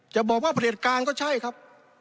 จะบอกว่าผลิตการก็ใช่ครับ